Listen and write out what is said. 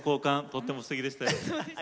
とってもすてきでしたよ。